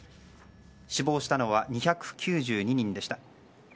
死亡したのは２９２人でした。